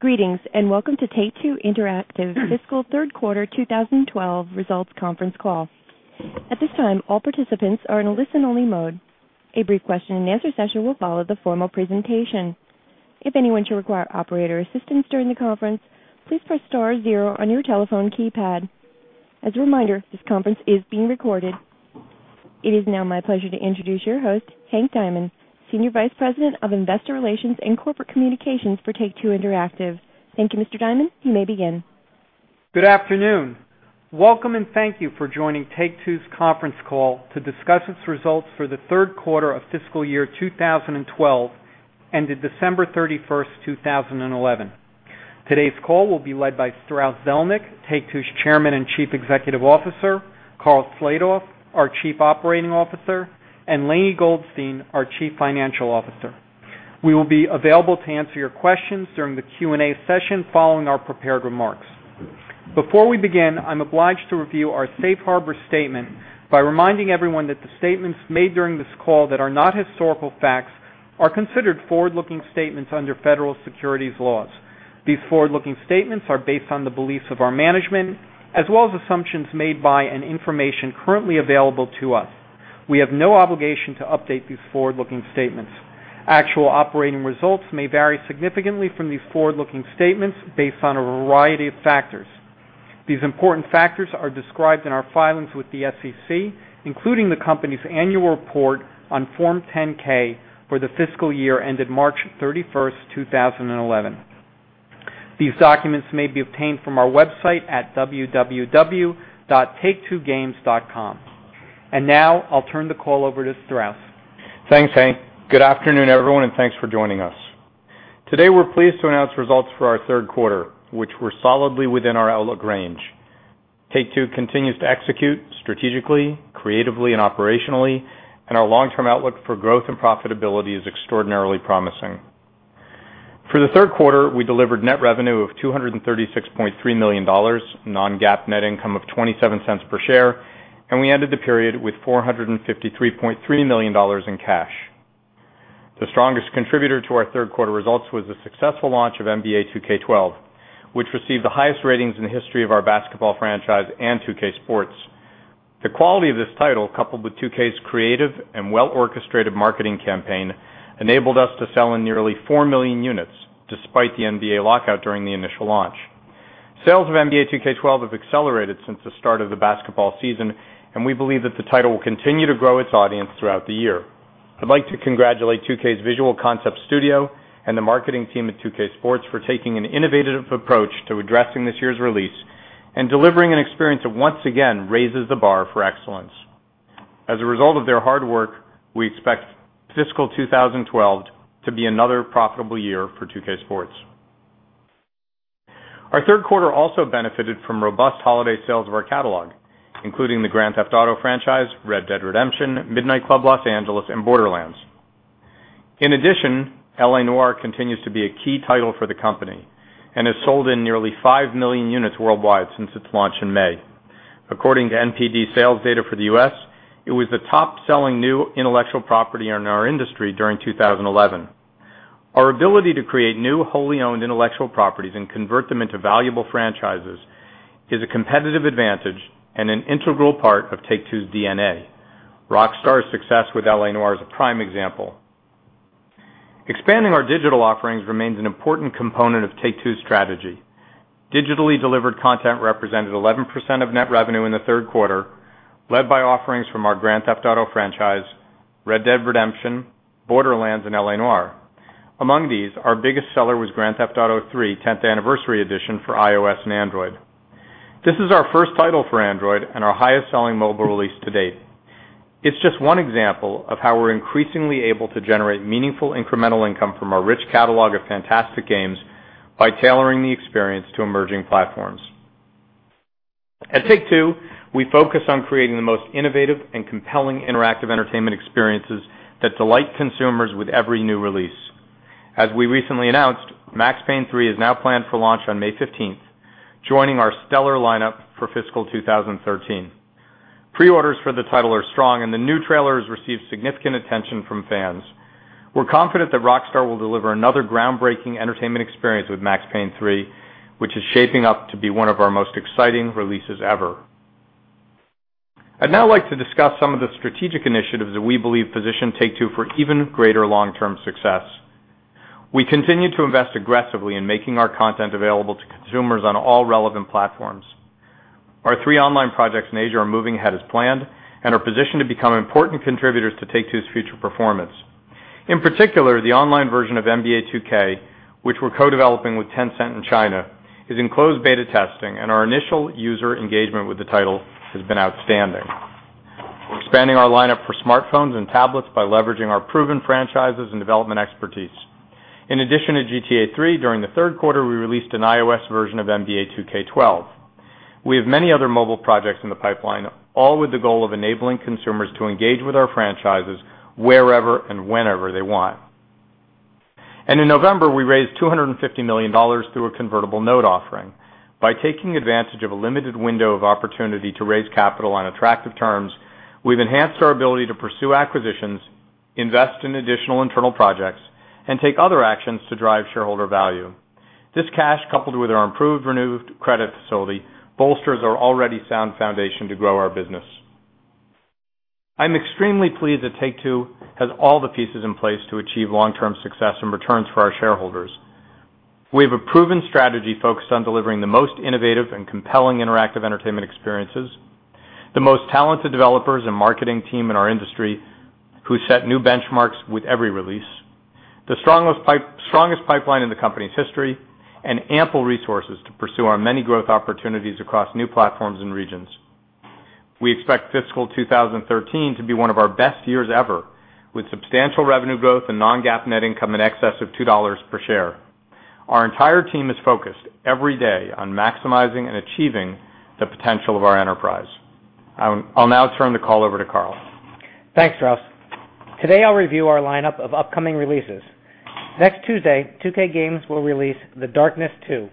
Greetings, and welcome to Take-Two Interactive Fiscal Third Quarter 2012 Results Conference Call. At this time, all participants are in a listen-only mode. A brief question and answer session will follow the formal presentation. If anyone should require operator assistance during the conference, please press star zero on your telephone keypad. As a reminder, this conference is being recorded. It is now my pleasure to introduce your host, Hank Diamond, Senior Vice President of Investor Relations and Corporate Communications for Take-Two Interactive. Thank you, Mr. Diamond. You may begin. Good afternoon. Welcome, and thank you for joining Take-Two Interactive Software's Conference Call to discuss its results for the third quarter of fiscal year 2012 ended December 31st, 2011. Today's call will be led by Strauss Zelnick, Take-Two's Chairman and Chief Executive Officer, Karl Slatoff, our Chief Operating Officer, and Lainie Goldstein, our Chief Financial Officer. We will be available to answer your questions during the Q&A session following our prepared remarks. Before we begin, I'm obliged to review our Safe Harbor Statement by reminding everyone that the statements made during this call that are not historical facts are considered forward-looking statements under federal securities laws. These forward-looking statements are based on the beliefs of our management, as well as assumptions made by information currently available to us. We have no obligation to update these forward-looking statements. Actual operating results may vary significantly from these forward-looking statements based on a variety of factors. These important factors are described in our filings with the SEC, including the company's annual report on Form 10-K for the fiscal year ended March 31st, 2011. These documents may be obtained from our website at www.taketwogames.com. Now, I'll turn the call over to Strauss. Thanks, Hank. Good afternoon, everyone, and thanks for joining us. Today, we're pleased to announce results for our third quarter, which were solidly within our outlook range. Take-Two continues to execute strategically, creatively, and operationally, and our long-term outlook for growth and profitability is extraordinarily promising. For the third quarter, we delivered net revenue of $236.3 million, non-GAAP net income of $0.27 per share, and we ended the period with $453.3 million in cash. The strongest contributor to our third quarter results was the successful launch of NBA 2K12, which received the highest ratings in the history of our basketball franchise and 2K Sports. The quality of this title, coupled with 2K's creative and well-orchestrated marketing campaign, enabled us to sell in nearly 4 million units, despite the NBA lockout during the initial launch. Sales of NBA 2K12 have accelerated since the start of the basketball season, and we believe that the title will continue to grow its audience throughout the year. I'd like to congratulate 2K's Visual Concepts Studio and the marketing team at 2K Sports for taking an innovative approach to addressing this year's release and delivering an experience that once again raises the bar for excellence. As a result of their hard work, we expect fiscal 2012 to be another profitable year for 2K Sports. Our third quarter also benefited from robust holiday sales of our catalog, including the Grand Theft Auto franchise, Red Dead Redemption, Midnight Club: Los Angeles, and Borderlands. In addition, L.A. Noire continues to be a key title for the company and has sold in nearly 5 million units worldwide since its launch in May. According to NPD sales data for the U.S., it was the top-selling new intellectual property in our industry during 2011. Our ability to create new wholly owned intellectual properties and convert them into valuable franchises is a competitive advantage and an integral part of Take-Two's DNA. Rockstar's success with L.A. Noire is a prime example. Expanding our digital offerings remains an important component of Take-Two's strategy. Digitally delivered content represented 11% of net revenue in the third quarter, led by offerings from our Grand Theft Auto franchise, Red Dead Redemption, Borderlands, and L.A. Noire. Among these, our biggest seller was Grand Theft Auto III: 10th Anniversary Edition for iOS and Android. This is our first title for Android and our highest-selling mobile release to date. It's just one example of how we're increasingly able to generate meaningful incremental income from our rich catalog of fantastic games by tailoring the experience to emerging platforms. At Take-Two, we focus on creating the most innovative and compelling interactive entertainment experiences that delight consumers with every new release. As we recently announced, Max Payne 3 is now planned for launch on May 15, joining our stellar lineup for fiscal 2013. Pre-orders for the title are strong, and the new trailer has received significant attention from fans. We're confident that Rockstar will deliver another groundbreaking entertainment experience with Max Payne 3, which is shaping up to be one of our most exciting releases ever. I'd now like to discuss some of the strategic initiatives that we believe position Take-Two for even greater long-term success. We continue to invest aggressively in making our content available to consumers on all relevant platforms. Our three online projects, NAJA, are moving ahead as planned and are positioned to become important contributors to Take-Two's future performance. In particular, the online version of NBA 2K, which we're co-developing with Tencent in China, is in closed beta testing, and our initial user engagement with the title has been outstanding. Expanding our lineup for smartphones and tablets by leveraging our proven franchises and development expertise. In addition to GTA III, during the third quarter, we released an iOS version of NBA 2K12. We have many other mobile projects in the pipeline, all with the goal of enabling consumers to engage with our franchises wherever and whenever they want. In November, we raised $250 million through a convertible note offering. By taking advantage of a limited window of opportunity to raise capital on attractive terms, we've enhanced our ability to pursue acquisitions, invest in additional internal projects, and take other actions to drive shareholder value. This cash, coupled with our improved renewed credit facility, bolsters our already sound foundation to grow our business. I'm extremely pleased that Take-Two has all the pieces in place to achieve long-term success and returns for our shareholders. We have a proven strategy focused on delivering the most innovative and compelling interactive entertainment experiences, the most talented developers and marketing team in our industry, who set new benchmarks with every release, the strongest pipeline in the company's history, and ample resources to pursue our many growth opportunities across new platforms and regions. We expect fiscal 2013 to be one of our best years ever, with substantial revenue growth and non-GAAP net income in excess of $2 per share. Our entire team is focused every day on maximizing and achieving the potential of our enterprise. I'll now turn the call over to Karl. Thanks, Strauss. Today, I'll review our lineup of upcoming releases. Next Tuesday, 2K will release The Darkness II.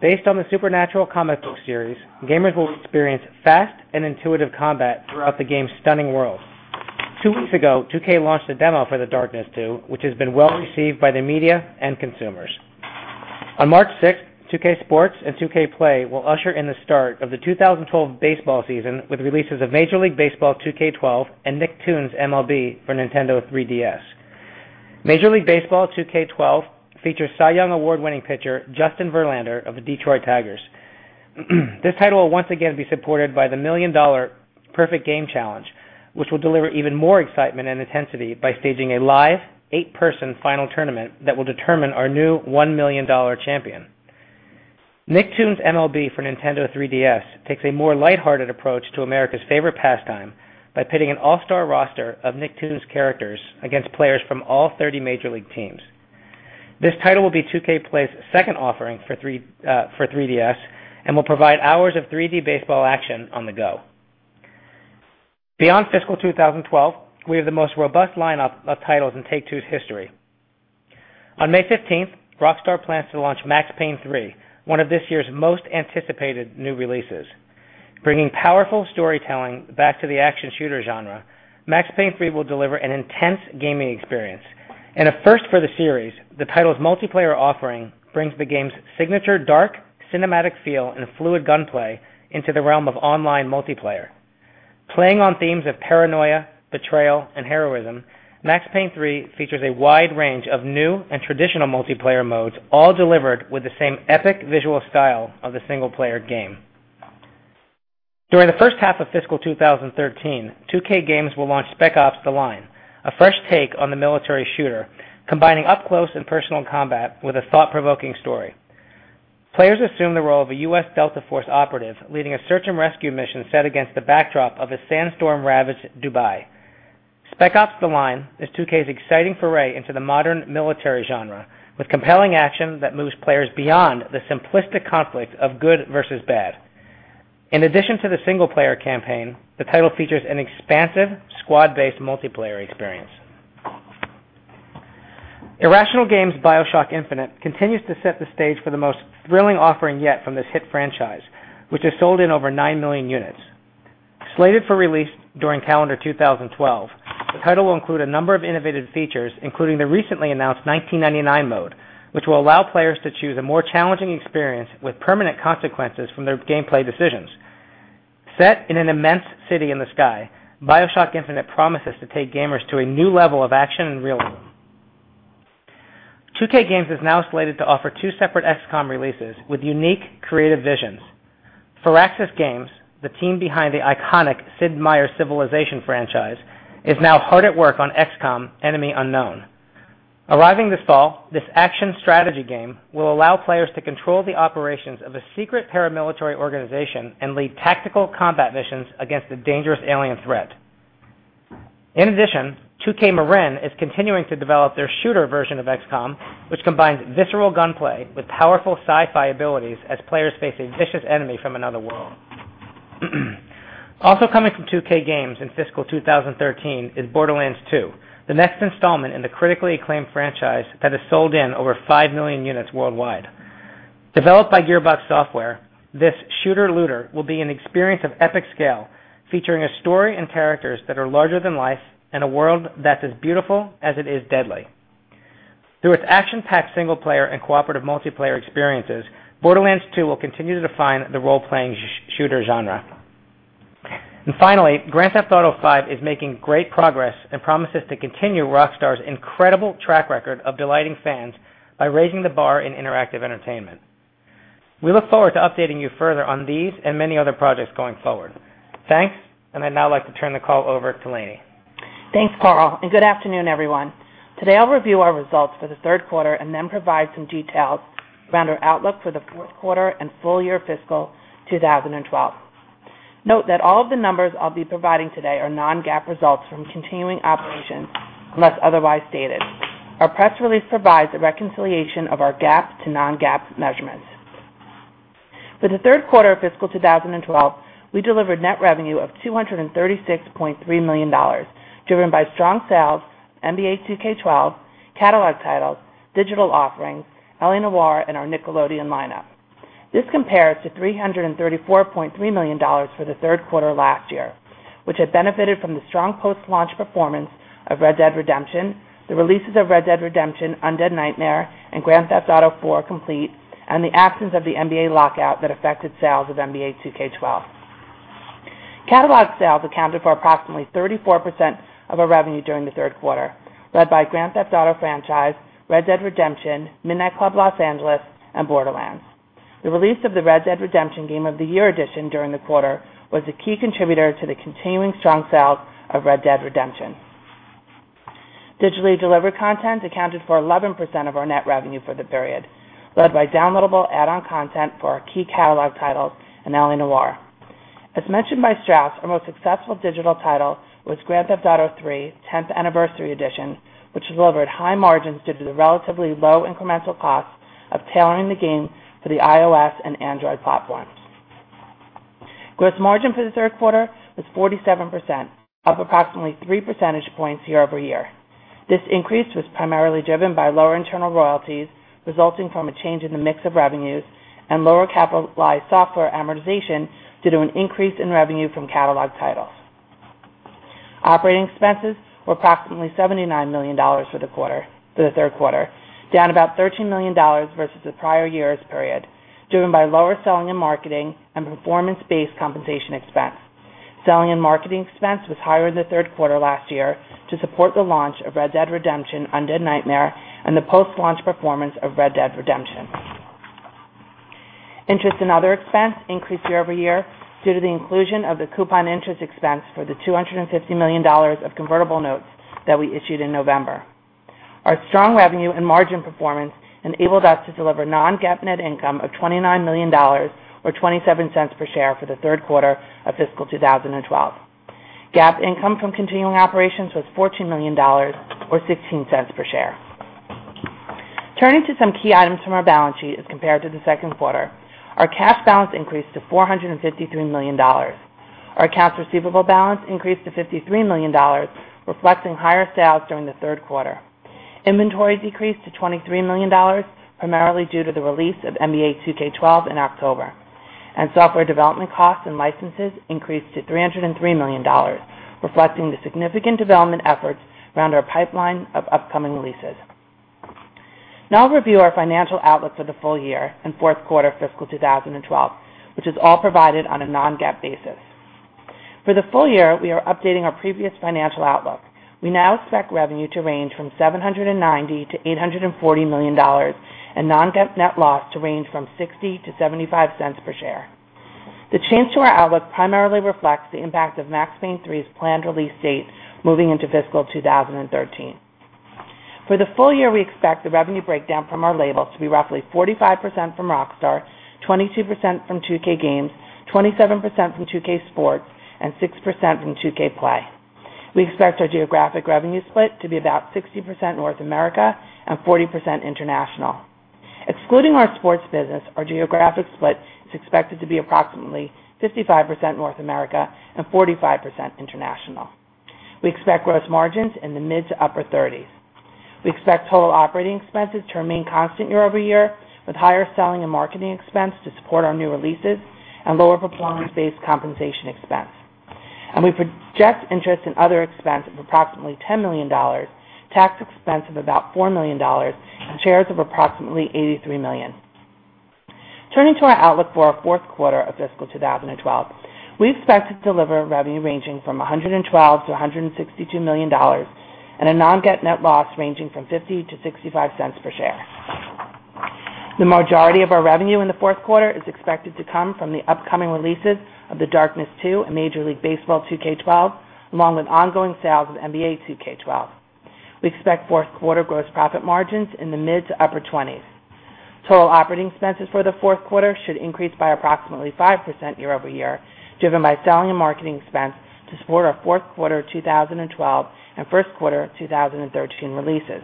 Based on the supernatural comic book series, gamers will experience fast and intuitive combat throughout the game's stunning world. Two weeks ago, 2K launched a demo for The Darkness II, which has been well received by the media and consumers. On March 6, 2K Sports and 2K Play will usher in the start of the 2012 baseball season with releases of Major League Baseball 2K12 and Nicktoons MLB for Nintendo 3DS. Major League Baseball 2K12 features Cy Young Award-winning pitcher Justin Verlander of the Detroit Tigers. This title will once again be supported by the million-dollar Perfect Game Challenge, which will deliver even more excitement and intensity by staging a live eight-person final tournament that will determine our new $1 million champion. Nicktoons MLB for Nintendo 3DS takes a more lighthearted approach to America's favorite pastime by pitting an all-star roster of Nicktoons characters against players from all 30 Major League teams. This title will be 2K Play's second offering for 3DS and will provide hours of 3D baseball action on the go. Beyond fiscal 2012, we have the most robust lineup of titles in Take-Two's history. On May 15, Rockstar Games plans to launch Max Payne 3, one of this year's most anticipated new releases. Bringing powerful storytelling back to the action shooter genre, Max Payne 3 will deliver an intense gaming experience. A first for the series, the title's multiplayer offering brings the game's signature dark, cinematic feel and fluid gunplay into the realm of online multiplayer. Playing on themes of paranoia, betrayal, and heroism, Max Payne 3 features a wide range of new and traditional multiplayer modes, all delivered with the same epic visual style of the single-player game. During the first half of fiscal 2013, 2K will launch Spec Ops: The Line, a fresh take on the military shooter, combining up-close and personal combat with a thought-provoking story. Players assume the role of a U.S. Delta Force operative leading a search and rescue mission set against the backdrop of a sandstorm-ravaged Dubai. Spec Ops: The Line is 2K's exciting foray into the modern military genre, with compelling action that moves players beyond the simplistic conflict of good versus bad. In addition to the single-player campaign, the title features an expansive squad-based multiplayer experience. Irrational Games' BioShock Infinite continues to set the stage for the most thrilling offering yet from this hit franchise, which has sold in over 9 million units. Slated for release during calendar 2012, the title will include a number of innovative features, including the recently announced 1999 mode, which will allow players to choose a more challenging experience with permanent consequences from their gameplay decisions. Set in an immense city in the sky, BioShock Infinite promises to take gamers to a new level of action and realism. 2K Games is now slated to offer two separate XCOM releases with unique creative visions. Firaxis Games, the team behind the iconic Sid Meier's Civilization franchise, is now hard at work on XCOM: Enemy Unknown. Arriving this fall, this action strategy game will allow players to control the operations of a secret paramilitary organization and lead tactical combat missions against a dangerous alien threat. In addition, 2K Marin is continuing to develop their shooter version of XCOM, which combines visceral gunplay with powerful sci-fi abilities as players face a vicious enemy from another world. Also coming from 2K Games in fiscal 2013 is Borderlands 2, the next installment in the critically acclaimed franchise that has sold in over 5 million units worldwide. Developed by Gearbox Software, this shooter-looter will be an experience of epic scale, featuring a story and characters that are larger than life and a world that's as beautiful as it is deadly. Through its action-packed single-player and cooperative multiplayer experiences, Borderlands 2 will continue to define the role-playing shooter genre. Finally, Grand Theft Auto V is making great progress and promises to continue Rockstar Games' incredible track record of delighting fans by raising the bar in interactive entertainment. We look forward to updating you further on these and many other projects going forward. Thanks, and I'd now like to turn the call over to Lainie. Thanks, Karl, and good afternoon, everyone. Today, I'll review our results for the third quarter and then provide some details around our outlook for the fourth quarter and full-year fiscal 2012. Note that all of the numbers I'll be providing today are non-GAAP results from continuing operations, unless otherwise stated. Our press release provides a reconciliation of our GAAP to non-GAAP measurements. For the third quarter of fiscal 2012, we delivered net revenue of $236.3 million, driven by strong sales, NBA 2K12, catalog titles, digital offerings, L.A. Noire, and our Nickelodeon lineup. This compares to $334.3 million for the third quarter last year, which had benefited from the strong post-launch performance of Red Dead Redemption, the releases of Red Dead Redemption: Undead Nightmare and Grand Theft Auto IV: Complete, and the absence of the NBA lockout that affected sales of NBA 2K12. Catalog sales accounted for approximately 34% of our revenue during the third quarter, led by Grand Theft Auto franchise, Red Dead Redemption, Midnight Club: Los Angeles, and Borderlands. The release of the Red Dead Redemption Game of the Year edition during the quarter was a key contributor to the continuing strong sales of Red Dead Redemption. Digitally delivered content accounted for 11% of our net revenue for the period, led by downloadable add-on content for our key catalog titles and L.A. Noire. As mentioned by Strauss, our most successful digital title was Grand Theft Auto III: 10th Anniversary Edition, which delivered high margins due to the relatively low incremental cost of tailoring the game for the iOS and Android platforms. Gross margin for the third quarter was 47%, up approximately three percentage points year-over-year. This increase was primarily driven by lower internal royalties resulting from a change in the mix of revenues and lower-capitalized software amortization due to an increase in revenue from catalog titles. Operating expenses were approximately $79 million for the third quarter, down about $13 million versus the prior year's period, driven by lower selling and marketing and performance-based compensation expense. Selling and marketing expense was higher in the third quarter last year to support the launch of Red Dead Redemption: Undead Nightmare and the post-launch performance of Red Dead Redemption. Interest and other expense increased year-over-year due to the inclusion of the coupon interest expense for the $250 million of convertible notes that we issued in November. Our strong revenue and margin performance enabled us to deliver non-GAAP net income of $29 million, or $0.27 per share for the third quarter of fiscal 2012. GAAP income from continuing operations was $14 million, or $0.16 per share. Turning to some key items from our balance sheet as compared to the second quarter, our cash balance increased to $453 million. Our cash receivable balance increased to $53 million, reflecting higher sales during the third quarter. Inventory decreased to $23 million, primarily due to the release of NBA 2K12 in October. Software development costs and licenses increased to $303 million, reflecting the significant development efforts around our pipeline of upcoming releases. Now, I'll review our financial outlook for the full year and fourth quarter of fiscal 2012, which is all provided on a non-GAAP basis. For the full year, we are updating our previous financial outlook. We now expect revenue to range from $790 million to $840 million, and non-GAAP net loss to range from $0.60 to $0.75 per share. The change to our outlook primarily reflects the impact of Max Payne 3's planned release date moving into fiscal 2013. For the full year, we expect the revenue breakdown from our label to be roughly 45% from Rockstar Games, 22% from 2K Games, 27% from 2K Sports, and 6% from 2K Play. We expect our geographic revenue split to be about 60% North America and 40% international. Excluding our sports business, our geographic split is expected to be approximately 55% North America and 45% international. We expect gross margins in the mid to upper 30%. We expect total operating expenses to remain constant year-over-year, with higher selling and marketing expense to support our new releases and lower performance-based compensation expense. We project interest and other expense of approximately $10 million, tax expense of about $4 million, and shares of approximately $83 million. Turning to our outlook for our fourth quarter of fiscal 2012, we expect to deliver revenue ranging from $112 million-$162 million and a non-GAAP net loss ranging from $0.50-$0.65 per share. The majority of our revenue in the fourth quarter is expected to come from the upcoming releases of The Darkness II and Major League Baseball 2K12, along with ongoing sales of NBA 2K12. We expect fourth quarter gross profit margins in the mid to upper 20s. Total operating expenses for the fourth quarter should increase by approximately 5% year-over-year, driven by selling and marketing expense to support our fourth quarter of 2012 and first quarter of 2013 releases.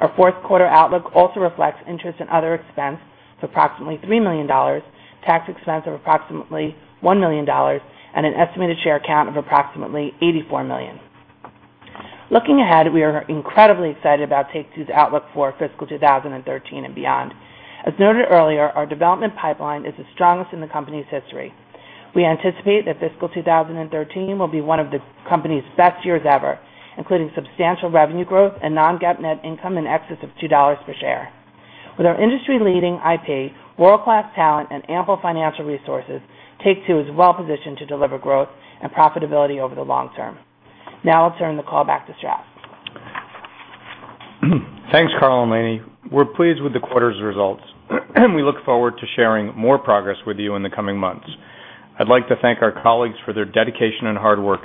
Our fourth quarter outlook also reflects interest and other expense of approximately $3 million, tax expense of approximately $1 million, and an estimated share count of approximately $84 million. Looking ahead, we are incredibly excited about Take-Two Interactive's outlook for fiscal 2013 and beyond. As noted earlier, our development pipeline is the strongest in the company's history. We anticipate that fiscal 2013 will be one of the company's best years ever, including substantial revenue growth and non-GAAP net income in excess of $2 per share. With our industry-leading IP, world-class talent, and ample financial resources, Take-Two Interactive Software is well positioned to deliver growth and profitability over the long term. Now, I'll turn the call back to Strauss. Thanks, Karl and Lainie. We're pleased with the quarter's results, and we look forward to sharing more progress with you in the coming months. I'd like to thank our colleagues for their dedication and hard work.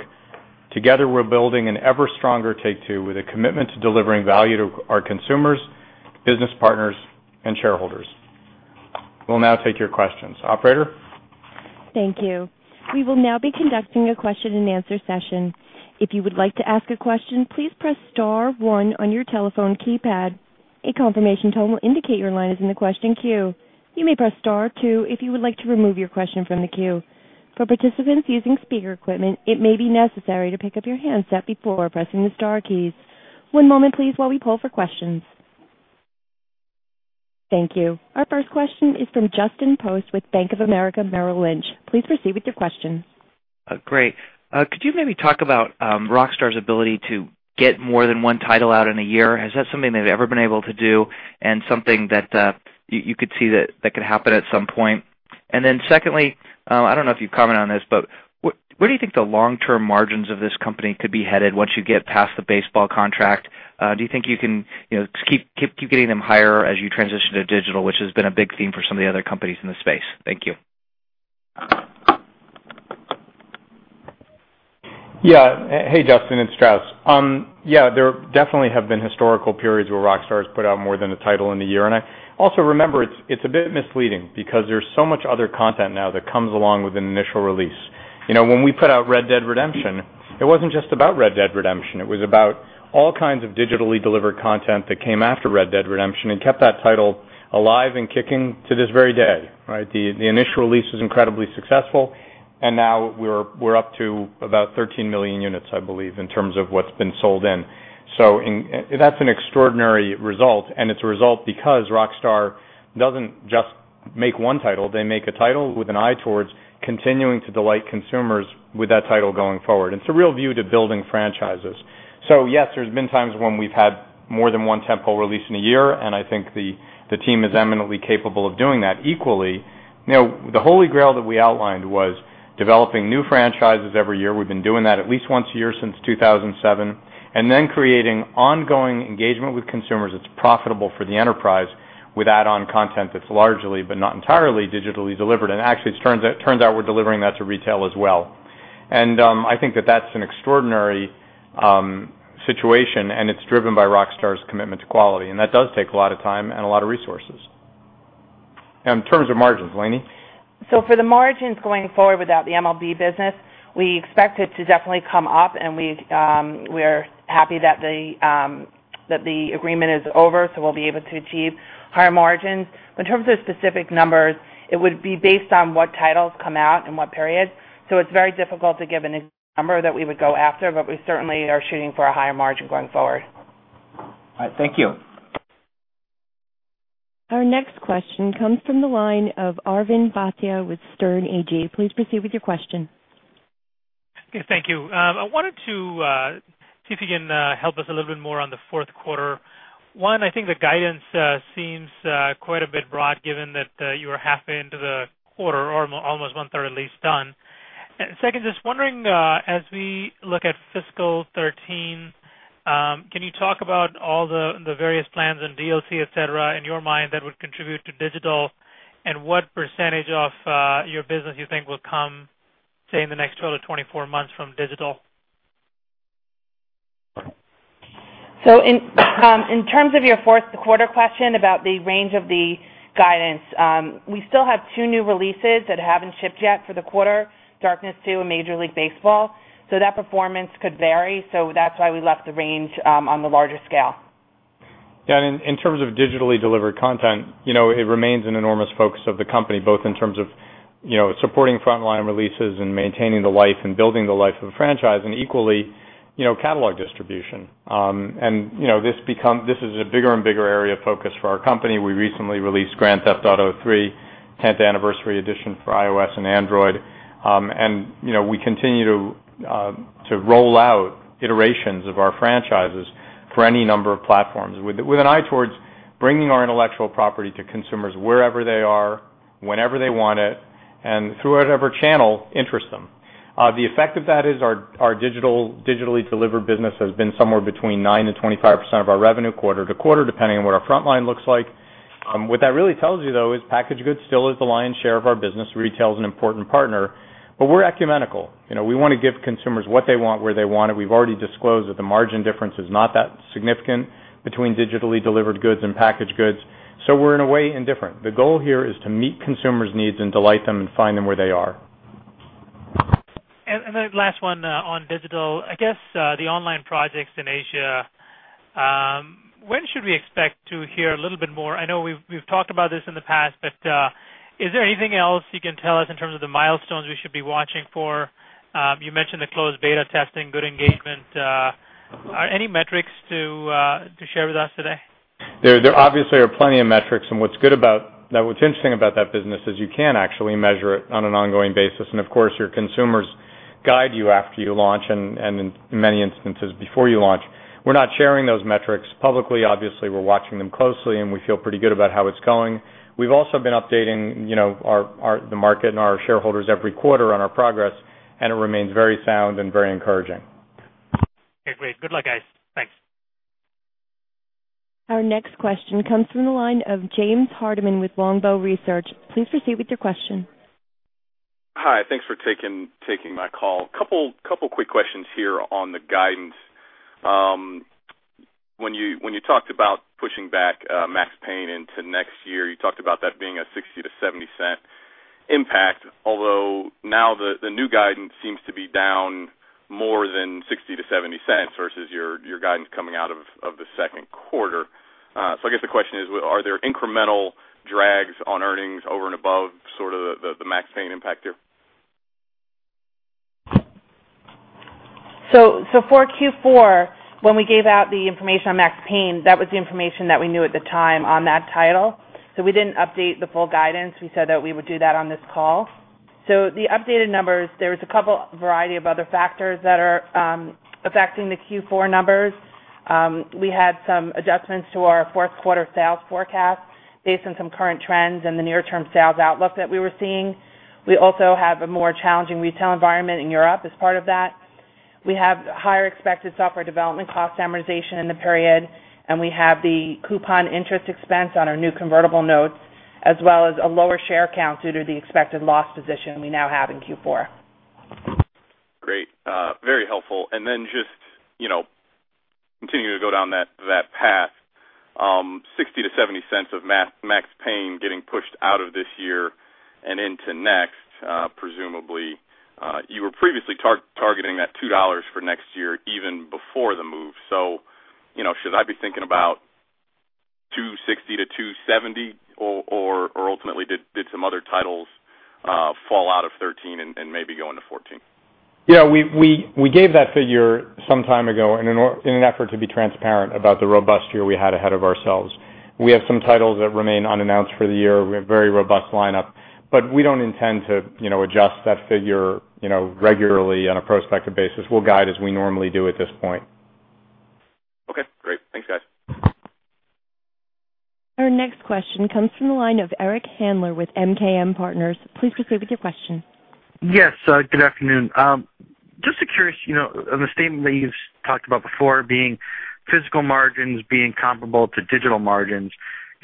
Together, we're building an ever-stronger Take-Two with a commitment to delivering value to our consumers, business partners, and shareholders. We'll now take your questions. Operator? Thank you. We will now be conducting a question and answer session. If you would like to ask a question, please press star one on your telephone keypad. A confirmation tone will indicate your line is in the question queue. You may press star two if you would like to remove your question from the queue. For participants using speaker equipment, it may be necessary to pick up your handset before pressing the star keys. One moment, please, while we pull for questions. Thank you. Our first question is from Justin Post with Bank of America Merrill Lynch. Please proceed with your question. Great. Could you maybe talk about Rockstar Games' ability to get more than one title out in a year? Is that something they've ever been able to do, and something that you could see that could happen at some point? Secondly, I don't know if you've commented on this, but where do you think the long-term margins of this company could be headed once you get past the baseball contract? Do you think you can keep getting them higher as you transition to digital, which has been a big theme for some of the other companies in the space? Thank you. Yeah. Hey, Justin, it's Strauss. There definitely have been historical periods where Rockstar has put out more than a title in a year. I also remember it's a bit misleading because there's so much other content now that comes along with an initial release. You know, when we put out Red Dead Redemption, it wasn't just about Red Dead Redemption. It was about all kinds of digitally delivered content that came after Red Dead Redemption and kept that title alive and kicking to this very day, right? The initial release was incredibly successful, and now we're up to about 13 million units, I believe, in terms of what's been sold in. That's an extraordinary result, and it's a result because Rockstar doesn't just make one title. They make a title with an eye towards continuing to delight consumers with that title going forward. It's a real view to building franchises. Yes, there's been times when we've had more than one tentpole release in a year, and I think the team is eminently capable of doing that. Equally, the holy grail that we outlined was developing new franchises every year. We've been doing that at least once a year since 2007, and then creating ongoing engagement with consumers that's profitable for the enterprise with add-on content that's largely, but not entirely, digitally delivered. Actually, it turns out we're delivering that to retail as well. I think that that's an extraordinary situation, and it's driven by Rockstar's commitment to quality. That does take a lot of time and a lot of resources. In terms of margins, Lainie? For the margins going forward without the MLB business, we expect it to definitely come up, and we are happy that the agreement is over, so we'll be able to achieve higher margins. In terms of specific numbers, it would be based on what titles come out in what period. It is very difficult to give a number that we would go after, but we certainly are shooting for a higher margin going forward. All right. Thank you. Our next question comes from the line of Arvin Bhatia with Stern AG. Please proceed with your question. Thank you. I wanted to see if you can help us a little bit more on the fourth quarter. One, I think the guidance seems quite a bit broad given that you're halfway into the quarter or almost one-third at least done. Second, just wondering, as we look at fiscal 2013, can you talk about all the various plans and DLC, etc., in your mind that would contribute to digital and what percentage of your business you think will come, say, in the next 12-24 months from digital? In terms of your fourth quarter question about the range of the guidance, we still have two new releases that haven't shipped yet for the quarter: Darkness II and Major League Baseball. That performance could vary, which is why we left the range on the larger scale. Yeah, and in terms of digitally delivered content, it remains an enormous focus of the company, both in terms of supporting frontline releases and maintaining the life and building the life of the franchise, and equally, catalog distribution. This is a bigger and bigger area of focus for our company. We recently released Grand Theft Auto III: 10th Anniversary Edition for iOS and Android. We continue to roll out iterations of our franchises for any number of platforms with an eye towards bringing our intellectual property to consumers wherever they are, whenever they want it, and through whatever channel interests them. The effect of that is our digitally delivered business has been somewhere between 9%-25% of our revenue quarter to quarter, depending on what our frontline looks like. What that really tells you, though, is packaged goods still is the lion's share of our business. Retail is an important partner, but we're ecumenical. We want to give consumers what they want, where they want it. We've already disclosed that the margin difference is not that significant between digitally delivered goods and packaged goods. We're in a way indifferent. The goal here is to meet consumers' needs and delight them and find them where they are. Regarding digital, specifically the online projects in Asia, when should we expect to hear a little bit more? I know we've talked about this in the past, but is there anything else you can tell us in terms of the milestones we should be watching for? You mentioned the closed beta testing, good engagement. Are there any metrics to share with us today? There obviously are plenty of metrics, and what's good about, what's interesting about that business is you can actually measure it on an ongoing basis. Of course, your consumers guide you after you launch and in many instances before you launch. We're not sharing those metrics publicly. Obviously, we're watching them closely, and we feel pretty good about how it's going. We've also been updating the market and our shareholders every quarter on our progress, and it remains very sound and very encouraging. Agreed. Good luck, guys. Thanks. Our next question comes from the line of James Hardiman with Longbow Research. Please proceed with your question. Hi. Thanks for taking my call. A couple of quick questions here on the guidance. When you talked about pushing back Max Payne 3 into next year, you talked about that being a $0.60-$0.70 impact, although now the new guidance seems to be down more than $0.60-$0.70 versus your guidance coming out of the second quarter. I guess the question is, are there incremental drags on earnings over and above sort of the Max Payne 3 impact here? For Q4, when we gave out the information on Max Payne, that was the information that we knew at the time on that title. We didn't update the full guidance. We said that we would do that on this call. The updated numbers, there was a variety of other factors that are affecting the Q4 numbers. We had some adjustments to our fourth quarter sales forecast based on some current trends and the near-term sales outlook that we were seeing. We also have a more challenging retail environment in Europe as part of that. We have higher expected software development cost amortization in the period, and we have the coupon interest expense on our new convertible notes, as well as a lower share count due to the expected loss position we now have in Q4. Great. Very helpful. Just, you know, continue to go down that path, $0.60-$0.70 of Max Payne getting pushed out of this year and into next, presumably. You were previously targeting that $2 for next year even before the move. Should I be thinking about $2.60-$2.70 or ultimately did some other titles fall out of 2013 and maybe go into 2014? Yeah, we gave that figure some time ago in an effort to be transparent about the robust year we had ahead of ourselves. We have some titles that remain unannounced for the year. We have a very robust lineup, but we don't intend to adjust that figure regularly on a prospective basis. We'll guide as we normally do at this point. Okay. Great. Thanks, guys. Our next question comes from the line of Eric Handler with MKM Partners. Please proceed with your question. Yes. Good afternoon. Just curious, you know, on the statement that you've talked about before, being physical margins being comparable to digital margins,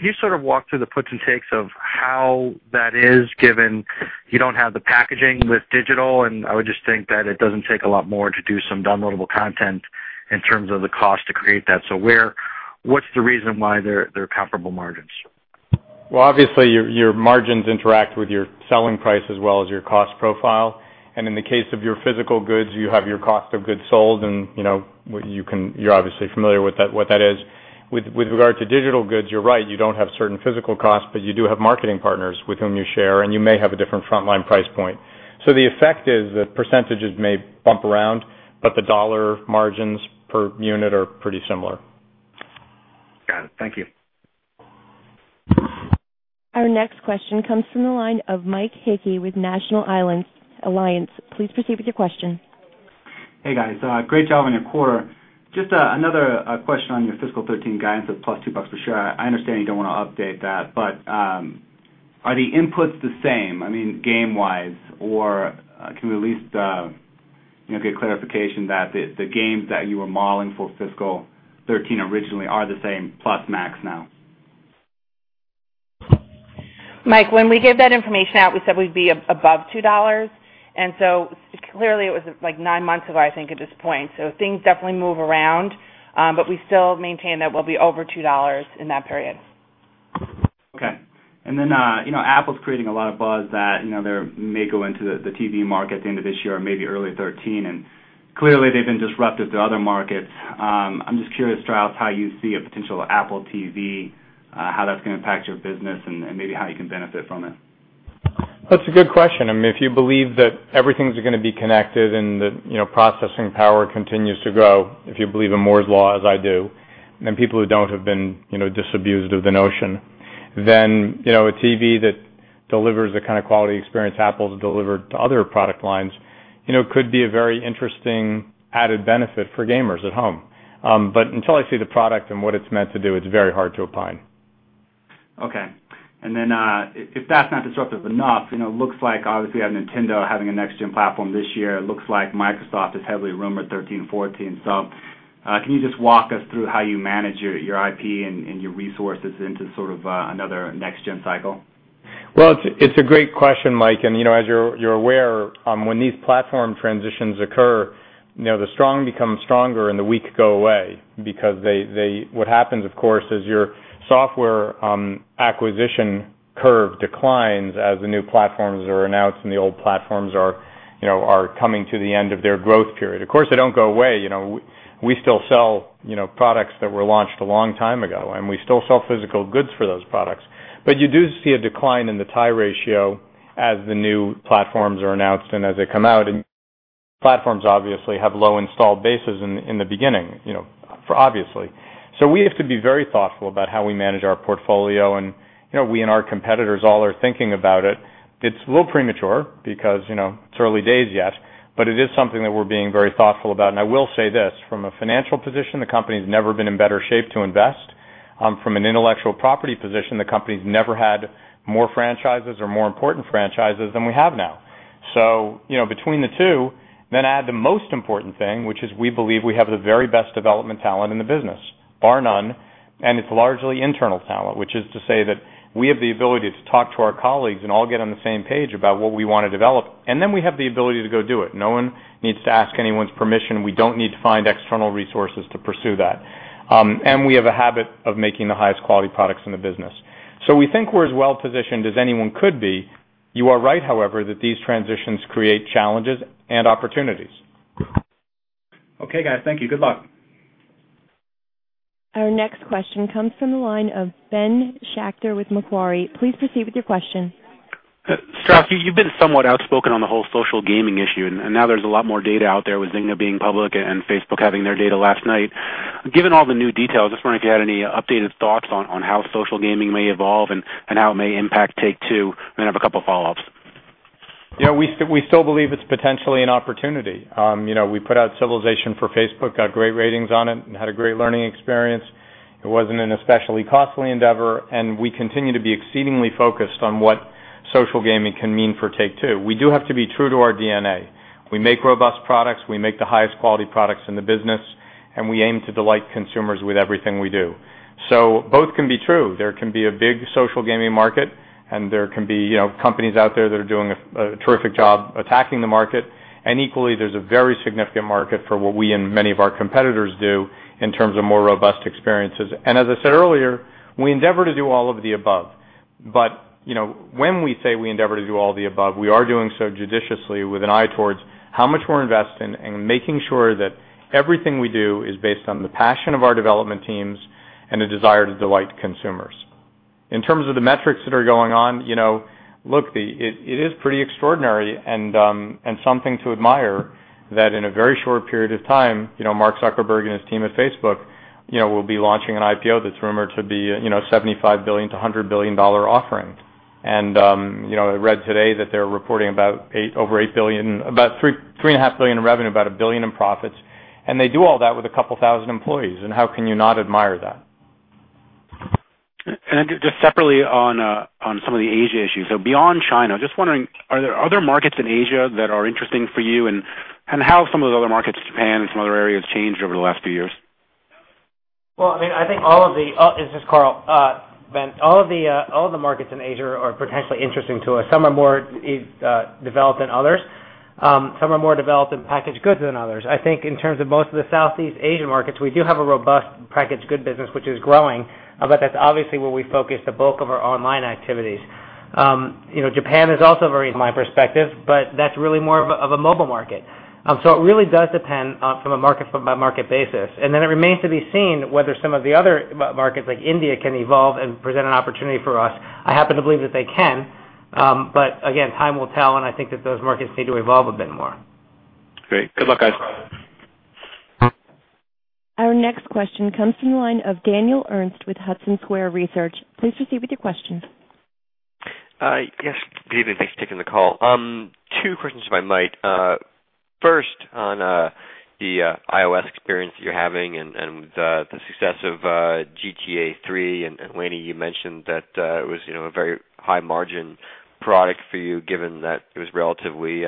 can you sort of walk through the puts and takes of how that is given you don't have the packaging with digital? I would just think that it doesn't take a lot more to do some downloadable content in terms of the cost to create that. What's the reason why they're comparable margins? Your margins interact with your selling price as well as your cost profile. In the case of your physical goods, you have your cost of goods sold, and you're obviously familiar with what that is. With regard to digital goods, you're right. You don't have certain physical costs, but you do have marketing partners with whom you share, and you may have a different frontline price point. The effect is that percentage may bump around, but the dollar margins per unit are pretty similar. Got it. Thank you. Our next question comes from the line of Mike Hickey with National Alliance. Please proceed with your question. Hey, guys. Great job on your quarter. Just another question on your fiscal 2013 guidance of plus $2 per share. I understand you don't want to update that, but are the inputs the same, I mean, game-wise, or can we at least get clarification that the games that you were modeling for fiscal 2013 originally are the same plus Max now? Mike, when we gave that information out, we said we'd be above $2. It was like nine months ago, I think, at this point. Things definitely move around, but we still maintain that we'll be over $2 in that period. Okay. Apple's creating a lot of buzz that they may go into the TV market at the end of this year, maybe early 2013, and clearly, they've been disruptive to other markets. I'm just curious, Strauss, how you see a potential Apple TV, how that's going to impact your business, and maybe how you can benefit from it? That's a good question. I mean, if you believe that everything's going to be connected and the processing power continues to grow, if you believe in Moore's Law, as I do, and people who don't have been disabused of the notion, then a TV that delivers the kind of quality experience Apple's delivered to other product lines could be a very interesting added benefit for gamers at home. Until I see the product and what it's meant to do, it's very hard to opine. Okay. If that's not disruptive enough, it looks like obviously we have Nintendo having a next-gen platform this year. It looks like Microsoft is heavily rumored 2013, 2014. Can you just walk us through how you manage your IP and your resources into another next-gen cycle? It's a great question, Mike. As you're aware, when these platform transitions occur, the strong become stronger and the weak go away because what happens, of course, is your software acquisition curve declines as the new platforms are announced and the old platforms are coming to the end of their growth period. Of course, they don't go away. We still sell products that were launched a long time ago, and we still sell physical goods for those products. You do see a decline in the tie ratio as the new platforms are announced and as they come out. Platforms obviously have low install bases in the beginning, obviously. We have to be very thoughtful about how we manage our portfolio, and we and our competitors all are thinking about it. It's a little premature because it's early days yet, but it is something that we're being very thoughtful about. I will say this, from a financial position, the company's never been in better shape to invest. From an intellectual property position, the company's never had more franchises or more important franchises than we have now. Between the two, then add the most important thing, which is we believe we have the very best development talent in the business, bar none. It's largely internal talent, which is to say that we have the ability to talk to our colleagues and all get on the same page about what we want to develop, and then we have the ability to go do it. No one needs to ask anyone's permission. We don't need to find external resources to pursue that. We have a habit of making the highest quality products in the business. We think we're as well positioned as anyone could be. You are right, however, that these transitions create challenges and opportunities. Okay, guys. Thank you. Good luck. Our next question comes from the line of Ben Schachter with Macquarie. Please proceed with your question. Strauss, you've been somewhat outspoken on the whole social gaming issue, and now there's a lot more data out there with Zynga being public and Facebook having their data last night. Given all the new details, I just wonder if you had any updated thoughts on how social gaming may evolve and how it may impact Take-Two. I have a couple of follow-ups. Yeah, we still believe it's potentially an opportunity. We put out Civilization for Facebook, got great ratings on it, and had a great learning experience. It wasn't an especially costly endeavor, and we continue to be exceedingly focused on what social gaming can mean for Take-Two. We do have to be true to our DNA. We make robust products. We make the highest quality products in the business, and we aim to delight consumers with everything we do. Both can be true. There can be a big social gaming market, and there can be companies out there that are doing a terrific job attacking the market. Equally, there's a very significant market for what we and many of our competitors do in terms of more robust experiences. As I said earlier, we endeavor to do all of the above. When we say we endeavor to do all the above, we are doing so judiciously with an eye towards how much we're investing and making sure that everything we do is based on the passion of our development teams and a desire to delight consumers. In terms of the metrics that are going on, it is pretty extraordinary and something to admire that in a very short period of time, Mark Zuckerberg and his team at Facebook will be launching an IPO that's rumored to be $75 billion-$100 billion offerings. I read today that they're reporting about over $8 billion, about $3.5 billion in revenue, about $1 billion in profits. They do all that with a couple thousand employees, and how can you not admire that? Just separately on some of the Asia issues, beyond China, are there other markets in Asia that are interesting for you, and how have some of those other markets, Japan and some other areas, changed over the last few years? I think all of the, it's Karl, all of the markets in Asia are potentially interesting to us. Some are more developed than others. Some are more developed in packaged goods than others. I think in terms of most of the Southeast Asian markets, we do have a robust packaged goods business, which is growing, but that's obviously where we focus the bulk of our online activities. You know, Japan is also very, my perspective, but that's really more of a mobile market. It really does depend from a market-by-market basis. It remains to be seen whether some of the other markets like India can evolve and present an opportunity for us. I happen to believe that they can. Again, time will tell, and I think that those markets need to evolve a bit more. Great. Good luck, guys. Our next question comes from the line of Daniel Ernst with Hudson Square Research. Please proceed with your question. Yes, David, thanks for taking the call. Two questions, if I might. First, on the iOS experience that you're having and with the success of GTA III, and Lainie, you mentioned that it was a very high-margin product for you, given that it was relatively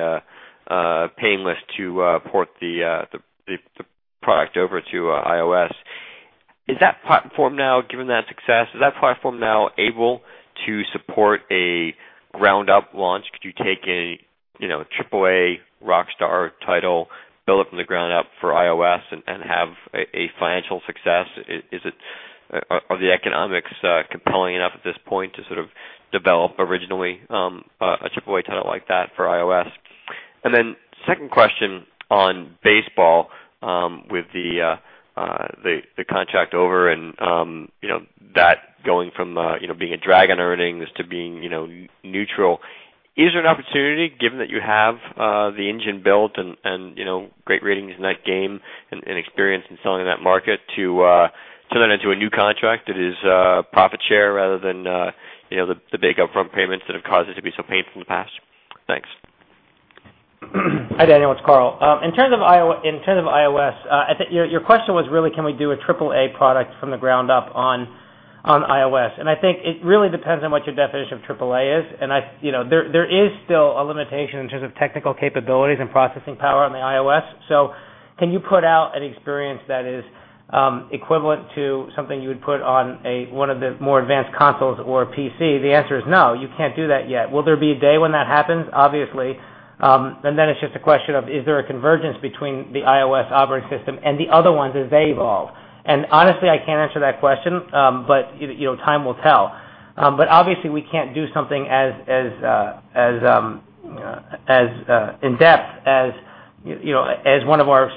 painless to port the product over to iOS. Is that platform now, given that success, able to support a round-up launch? Could you take a AAA Rockstar Games title, build it from the ground up for iOS, and have a financial success? Are the economics compelling enough at this point to sort of develop originally a AAA title like that for iOS? Second question on baseball with the contract over and that going from being a drag on earnings to being neutral. Is there an opportunity, given that you have the engine built and great ratings in that game and experience in selling in that market, to turn that into a new contract that is profit share rather than the big upfront payments that have caused it to be so painful in the past? Thanks. Hi, Daniel. It's Karl. In terms of iOS, I think your question was really, can we do a AAA product from the ground up on iOS? I think it really depends on what your definition of AAA is. There is still a limitation in terms of technical capabilities and processing power on the iOS. Can you put out an experience that is equivalent to something you would put on one of the more advanced consoles or a PC? The answer is no. You can't do that yet. Will there be a day when that happens? Obviously, then it's just a question of, is there a convergence between the iOS operating system and the other ones as they evolve? Honestly, I can't answer that question, but time will tell. Obviously, we can't do something as in-depth as one of our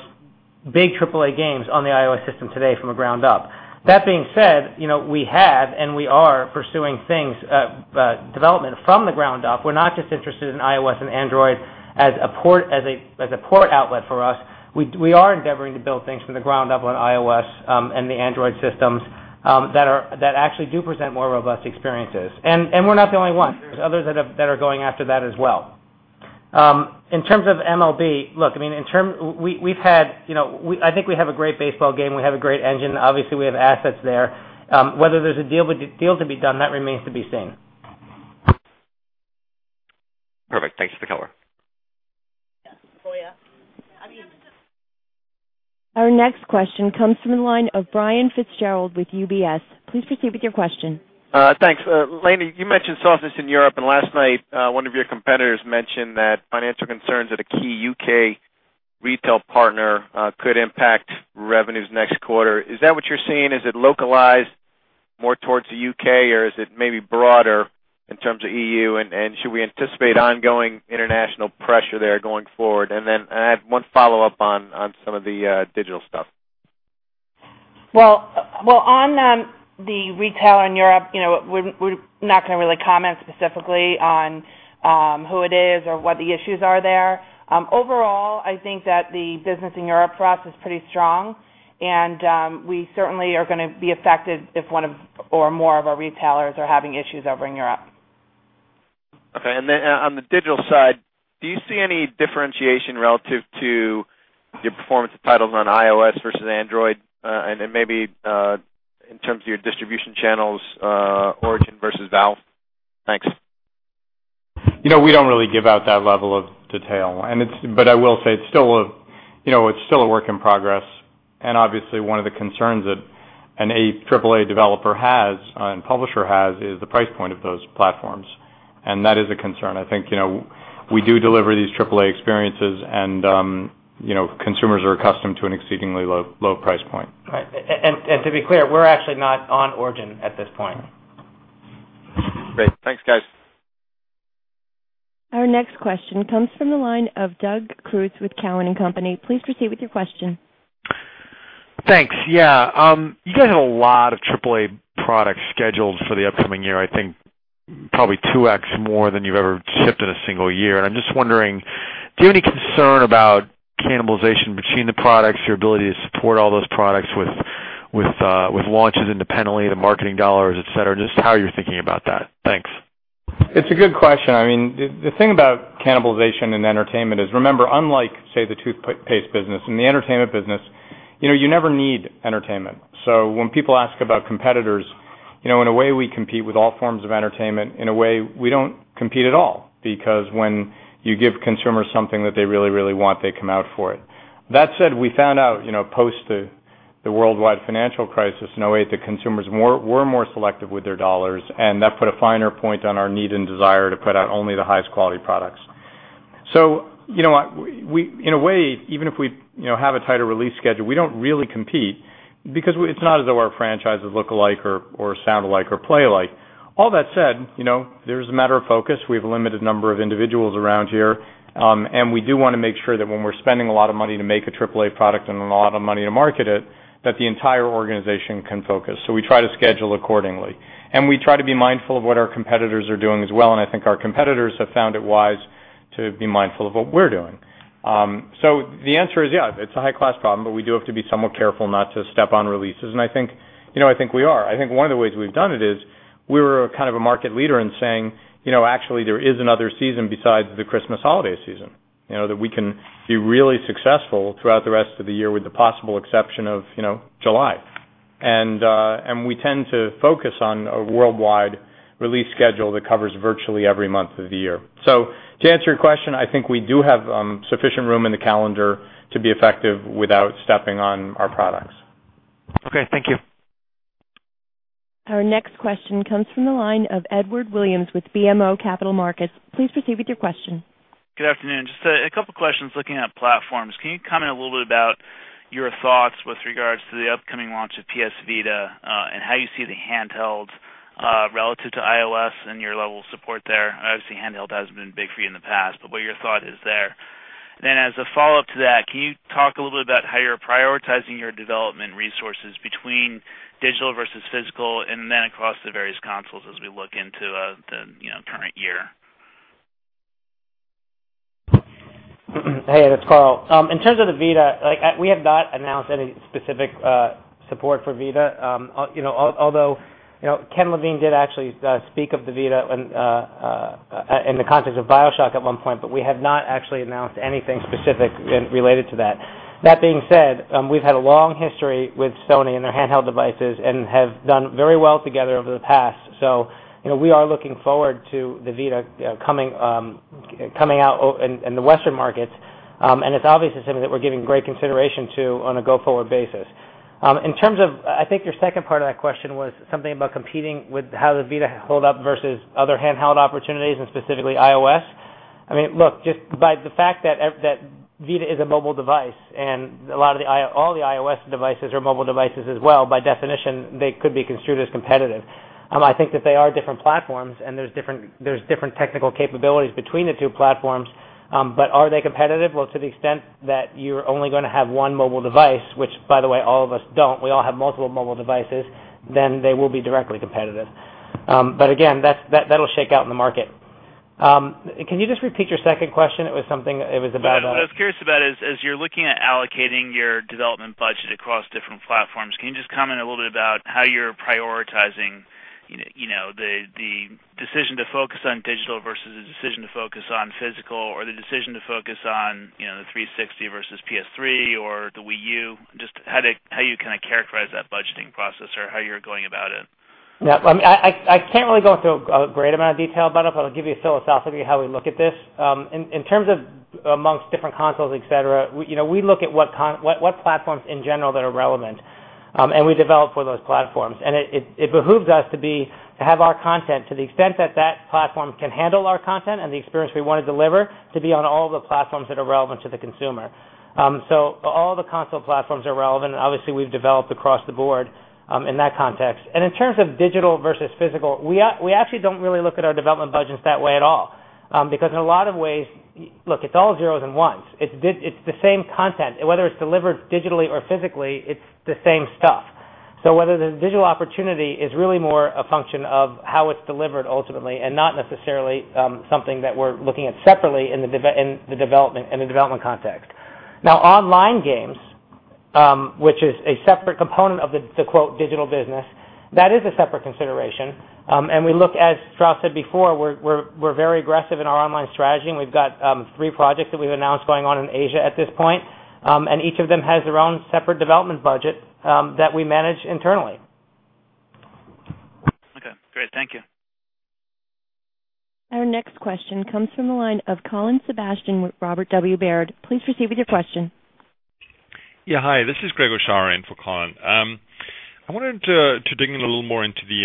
big AAA games on the iOS system today from the ground up. That being said, we have and we are pursuing things, development from the ground up. We're not just interested in iOS and Android as a port outlet for us. We are endeavoring to build things from the ground up on iOS and the Android systems that actually do present more robust experiences. We're not the only one. There are others that are going after that as well. In terms of MLB, look, I mean, we've had, I think we have a great baseball game. We have a great engine. Obviously, we have assets there. Whether there's a deal to be done, that remains to be seen. Perfect. Thanks for the cover. Our next question comes from the line of Brian Fitzgerald with UBS. Please proceed with your question. Thanks. Lainie, you mentioned softness in Europe, and last night, one of your competitors mentioned that financial concerns at a key U.K. retail partner could impact revenues next quarter. Is that what you're seeing? Is it localized more towards the U.K., or is it maybe broader in terms of EU? Should we anticipate ongoing international pressure there going forward? I have one follow-up on some of the digital stuff. On the retailer in Europe, you know, we're not going to really comment specifically on who it is or what the issues are there. Overall, I think that the business in Europe for us is pretty strong, and we certainly are going to be affected if one or more of our retailers are having issues over in Europe. Okay. On the digital side, do you see any differentiation relative to your performance of titles on iOS versus Android, and maybe in terms of your distribution channels, Origin versus Valve? Thanks. We don't really give out that level of detail. I will say it's still a work in progress. Obviously, one of the concerns that an AAA developer has and publisher has is the price point of those platforms. That is a concern. I think we do deliver these AAA experiences, and consumers are accustomed to an exceedingly low price point. To be clear, we're actually not on Origin at this point. Great. Thanks, guys. Our next question comes from the line of Doug Creutz with Cowen & Company. Please proceed with your question. Thanks. You guys have a lot of AAA products scheduled for the upcoming year. I think probably 2X more than you've ever shipped in a single year. I'm just wondering, do you have any concern about cannibalization between the products, your ability to support all those products with launches independently, the marketing dollars, etc., and how you're thinking about that? Thanks. It's a good question. I mean, the thing about cannibalization in entertainment is, remember, unlike, say, the toothpaste business, in the entertainment business, you never need entertainment. When people ask about competitors, in a way, we compete with all forms of entertainment. In a way, we don't compete at all because when you give consumers something that they really, really want, they come out for it. That said, we found out post the worldwide financial crisis, in a way, the consumers were more selective with their dollars, and that put a finer point on our need and desire to put out only the highest quality products. In a way, even if we have a tighter release schedule, we don't really compete because it's not as though our franchises look alike or sound alike or play alike. All that said, there's a matter of focus. We have a limited number of individuals around here, and we do want to make sure that when we're spending a lot of money to make a AAA product and a lot of money to market it, the entire organization can focus. We try to schedule accordingly. We try to be mindful of what our competitors are doing as well. I think our competitors have found it wise to be mindful of what we're doing. The answer is, yeah, it's a high-class problem, but we do have to be somewhat careful not to step on releases. I think we are. I think one of the ways we've done it is we're kind of a market leader in saying, actually, there is another season besides the Christmas holiday season, that we can be really successful throughout the rest of the year with the possible exception of July. We tend to focus on a worldwide release schedule that covers virtually every month of the year. To answer your question, I think we do have sufficient room in the calendar to be effective without stepping on our products. Okay, thank you. Our next question comes from the line of Edward Williams with BMO Capital Markets. Please proceed with your question. Good afternoon. Just a couple of questions looking at platforms. Can you comment a little bit about your thoughts with regards to the upcoming launch of PS Vita and how you see the handheld relative to iOS and your level of support there? Obviously, handheld has been big for you in the past, what your thought is there. As a follow-up to that, can you talk a little bit about how you're prioritizing your development resources between digital versus physical and then across the various consoles as we look into the current year? Hey, and it's Karl. In terms of the Vita, we have not announced any specific support for Vita. Although Ken Levine did actually speak of the Vita in the context of BioShock at one point, we have not actually announced anything specific related to that. That being said, we've had a long history with Sony and their handheld devices and have done very well together over the past. We are looking forward to the Vita coming out in the Western markets. It's obviously something that we're giving great consideration to on a go-forward basis. In terms of, I think your second part of that question was something about competing with how the Vita holds up versus other handheld opportunities and specifically iOS. Just by the fact that Vita is a mobile device and a lot of the iOS devices are mobile devices as well, by definition, they could be construed as competitive. I think that they are different platforms, and there's different technical capabilities between the two platforms. Are they competitive? To the extent that you're only going to have one mobile device, which, by the way, all of us don't, we all have multiple mobile devices, then they will be directly competitive. Again, that'll shake out in the market. Can you just repeat your second question? It was something it was about. Yeah, what I was curious about is, as you're looking at allocating your development budget across different platforms, can you just comment a little bit about how you're prioritizing the decision to focus on digital versus the decision to focus on physical or the decision to focus on the 360 versus PS3 or the Wii U? Just how you kind of characterize that budgeting process or how you're going about it. Yeah, I can't really go into a great amount of detail about it, but I'll give you philosophically how we look at this. In terms of amongst different consoles, etc., we look at what platforms in general that are relevant, and we develop for those platforms. It behooves us to have our content, to the extent that that platform can handle our content and the experience we want to deliver, to be on all of the platforms that are relevant to the consumer. All the console platforms are relevant, and obviously, we've developed across the board in that context. In terms of digital versus physical, we actually don't really look at our development budgets that way at all because in a lot of ways, it's all zeros and ones. It's the same content. Whether it's delivered digitally or physically, it's the same stuff. The digital opportunity is really more a function of how it's delivered ultimately and not necessarily something that we're looking at separately in the development context. Now, online games, which is a separate component of the quote "digital business," that is a separate consideration. As Strauss said before, we're very aggressive in our online strategy, and we've got three projects that we've announced going on in Asia at this point. Each of them has their own separate development budget that we manage internally. Okay. Great. Thank you. Our next question comes from the line of Colin Sebastian with Robert W. Baird. Please proceed with your question. Yeah, hi. This is Greg O'Shaurin for Colin. I wanted to dig in a little more into the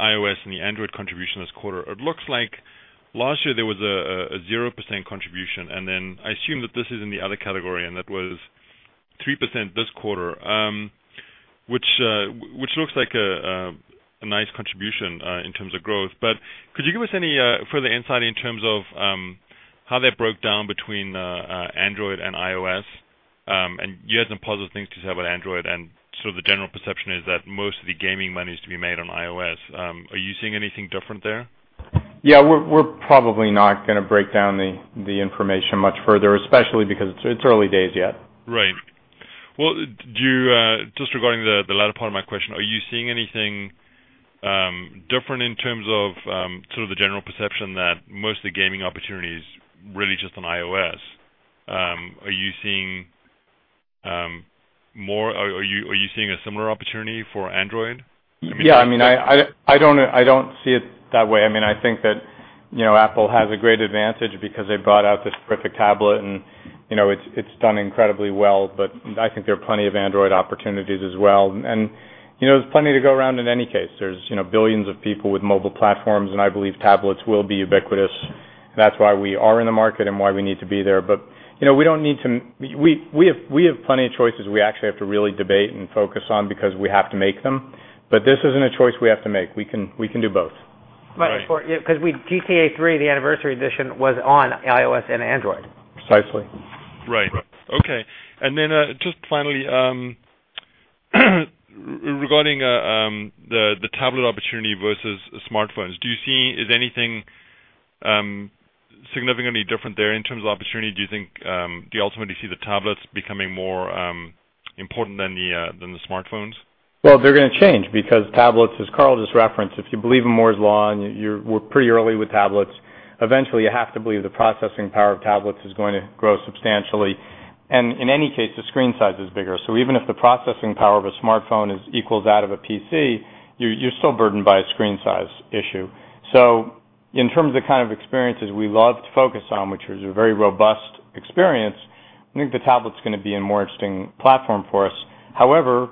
iOS and the Android contribution this quarter. It looks like last year there was a 0% contribution, and I assume that this is in the other category, and that was 3% this quarter, which looks like a nice contribution in terms of growth. Could you give us any further insight in terms of how that broke down between Android and iOS? You had some positive things to say about Android, and sort of the general perception is that most of the gaming money is to be made on iOS. Are you seeing anything different there? Yeah, we're probably not going to break down the information much further, especially because it's early days yet. Right. Regarding the latter part of my question, are you seeing anything different in terms of the general perception that most of the gaming opportunity is really just on iOS? Are you seeing more, are you seeing a similar opportunity for Android? I don't see it that way. I think that Apple has a great advantage because they brought out this perfect tablet, and it's done incredibly well. I think there are plenty of Android opportunities as well. There's plenty to go around in any case. There are billions of people with mobile platforms, and I believe tablets will be ubiquitous. That's why we are in the market and why we need to be there. We have plenty of choices we actually have to really debate and focus on because we have to make them. This isn't a choice we have to make. We can do both. Right. Because GTA III: 10th Anniversary Edition was on iOS and Android. Precisely. Right. Okay. Finally, regarding the tablet opportunity versus smartphones, do you see, is anything significantly different there in terms of opportunity? Do you think you ultimately see the tablets becoming more important than the smartphones? They're going to change because tablets, as Karl just referenced, if you believe in Moore's Law and we're pretty early with tablets, eventually, you have to believe the processing power of tablets is going to grow substantially. In any case, the screen size is bigger. Even if the processing power of a smartphone equals that of a PC, you're still burdened by a screen size issue. In terms of the kind of experiences we love to focus on, which is a very robust experience, I think the tablet's going to be a more interesting platform for us. However,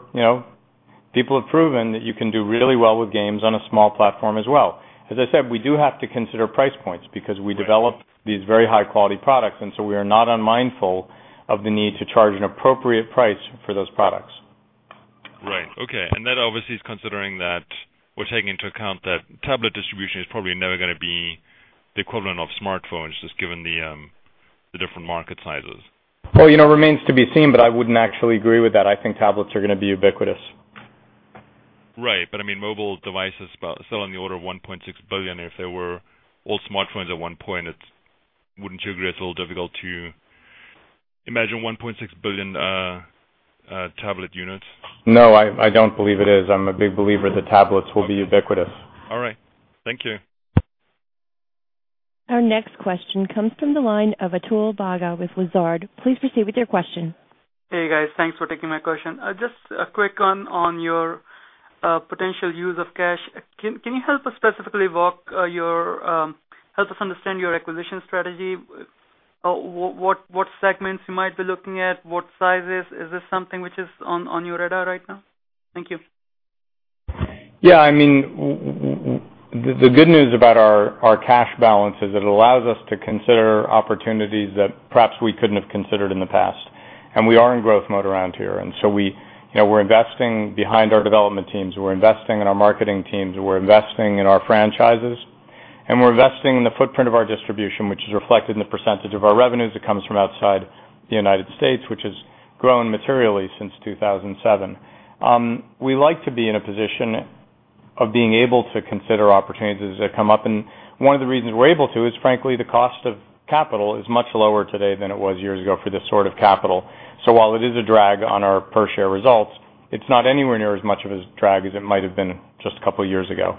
people have proven that you can do really well with games on a small platform as well. As I said, we do have to consider price points because we develop these very high-quality products, and we are not unmindful of the need to charge an appropriate price for those products. Right. Okay. That obviously is considering that we're taking into account that tablet distribution is probably never going to be the equivalent of smartphones, just given the different market sizes. It remains to be seen, but I wouldn't actually agree with that. I think tablets are going to be ubiquitous. Right. I mean, mobile devices are still on the order of $1.6 billion. If they were old smartphones at one point, wouldn't you agree it's a little difficult to imagine $1.6 billion tablet units? No, I don't believe it is. I'm a big believer that tablets will be ubiquitous. All right, thank you. Our next question comes from the line of Atul Bagga with Lazard. Please proceed with your question. Hey, guys. Thanks for taking my question. Just a quick one on your potential use of cash. Can you help us specifically walk us through your acquisition strategy? What segments you might be looking at, what sizes? Is this something which is on your radar right now? Thank you. Yeah, I mean, the good news about our cash balance is it allows us to consider opportunities that perhaps we couldn't have considered in the past. We are in growth mode around here, and we're investing behind our development teams, we're investing in our marketing teams, we're investing in our franchises, and we're investing in the footprint of our distribution, which is reflected in the percentage of our revenues that comes from outside the United States, which has grown materially since 2007. We like to be in a position of being able to consider opportunities as they come up. One of the reasons we're able to is, frankly, the cost of capital is much lower today than it was years ago for this sort of capital. While it is a drag on our per-share results, it's not anywhere near as much of a drag as it might have been just a couple of years ago.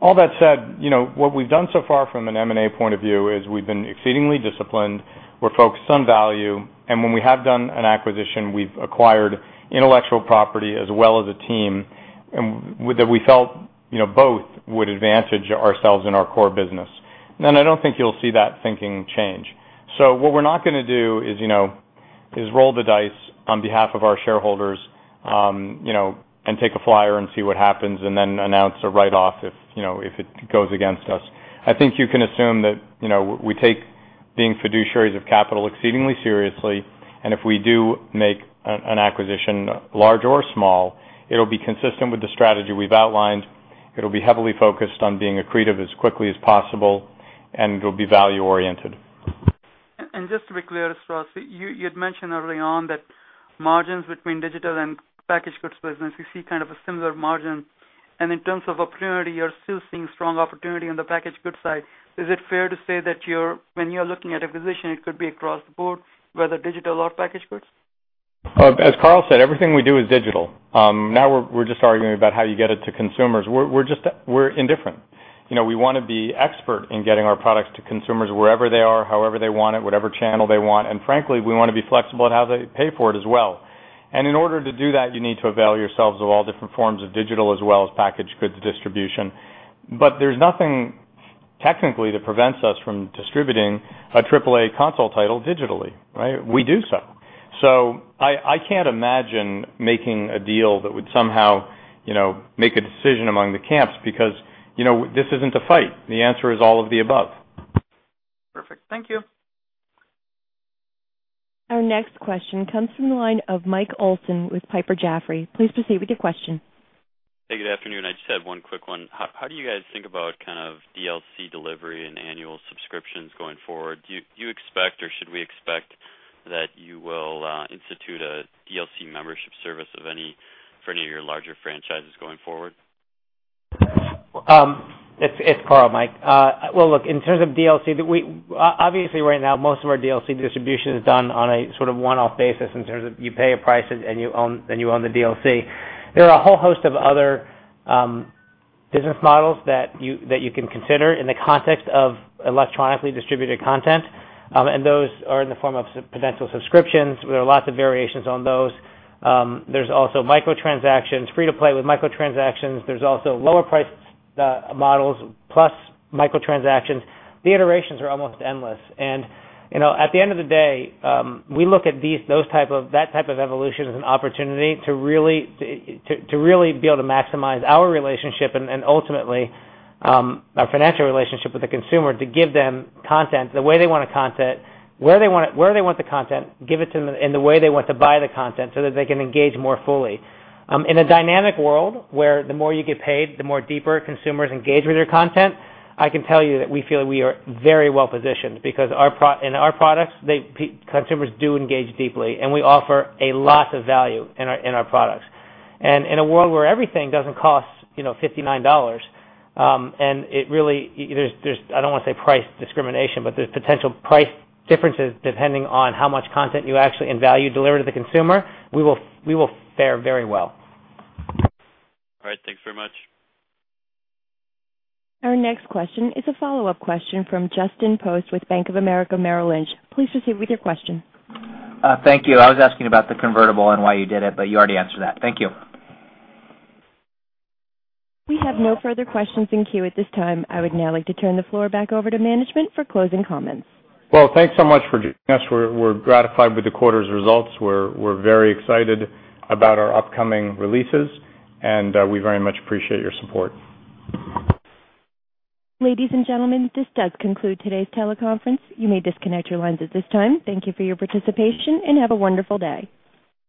All that said, what we've done so far from an M&A point of view is we've been exceedingly disciplined. We're focused on value, and when we have done an acquisition, we've acquired intellectual property as well as a team that we felt both would advantage ourselves in our core business. I don't think you'll see that thinking change. What we're not going to do is roll the dice on behalf of our shareholders and take a flyer and see what happens and then announce a write-off if it goes against us. I think you can assume that we take being fiduciaries of capital exceedingly seriously, and if we do make an acquisition, large or small, it'll be consistent with the strategy we've outlined. It'll be heavily focused on being accretive as quickly as possible, and it'll be value-oriented. Just to be clear, Strauss, you had mentioned early on that margins between digital and packaged goods business, we see kind of a similar margin. In terms of a priority, you're still seeing strong opportunity on the packaged goods side. Is it fair to say that when you're looking at acquisition, it could be across the board, whether digital or packaged goods? As Karl said, everything we do is digital. Now we're just arguing about how you get it to consumers. We're indifferent. We want to be expert in getting our products to consumers wherever they are, however they want it, whatever channel they want. Frankly, we want to be flexible in how they pay for it as well. In order to do that, you need to avail yourselves of all different forms of digital as well as packaged goods distribution. There is nothing technically that prevents us from distributing a AAA console title digitally, right? We do so. I can't imagine making a deal that would somehow make a decision among the camps because this isn't a fight. The answer is all of the above. Perfect. Thank you. Our next question comes from the line of Mike Olson with Piper Jaffray. Please proceed with your question. Hey, good afternoon. I just had one quick one. How do you guys think about kind of DLC delivery and annual subscriptions going forward? Do you expect or should we expect that you will institute a DLC membership service for any of your larger franchises going forward? It's Karl, Mike. In terms of DLC, obviously right now, most of our DLC distribution is done on a sort of one-off basis in terms of you pay a price and then you own the DLC. There are a whole host of other business models that you can consider in the context of electronically distributed content. Those are in the form of potential subscriptions. There are lots of variations on those. There's also microtransactions, free-to-play with microtransactions. There's also lower priced models plus microtransactions. The iterations are almost endless. At the end of the day, we look at those types of evolutions as an opportunity to really be able to maximize our relationship and ultimately our financial relationship with the consumer to give them content the way they want the content, where they want the content, give it to them in the way they want to buy the content so that they can engage more fully. In a dynamic world where the more you get paid, the more deeper consumers engage with your content, I can tell you that we feel we are very well positioned because in our products, consumers do engage deeply. We offer a lot of value in our products. In a world where everything doesn't cost $59, and it really, I don't want to say price discrimination, but there's potential price differences depending on how much content you actually and value deliver to the consumer, we will fare very well. All right, thanks very much. Our next question is a follow-up question from Justin Post with Bank of America Merrill Lynch. Please proceed with your question. Thank you. I was asking about the convertible note and why you did it, but you already answered that. Thank you. We have no further questions in queue at this time. I would now like to turn the floor back over to management for closing comments. Thank you so much for joining us. We're gratified with the quarter's results. We're very excited about our upcoming releases, and we very much appreciate your support. Ladies and gentlemen, this does conclude today's teleconference. You may disconnect your lines at this time. Thank you for your participation and have a wonderful day.